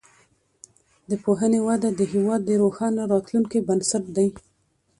د پوهنې وده د هیواد د روښانه راتلونکي بنسټ دی.